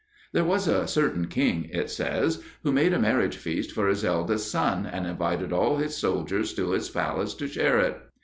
There was a certain king, it says, who made a marriage feast for his eldest son, and invited all his soldiers to his palace to share it.